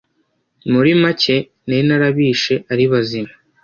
muri make nari narabishe ari bazima,